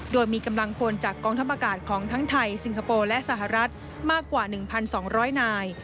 โดยมีกำลังพลจากกองทัพอากาศของทั้งไทยสิงคโปร์และสหรัฐมากกว่า๑๒๐๐นาย